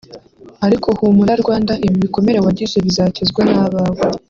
Ariko humura Rwanda ibi bikomere wagize bizakizwa n’abawe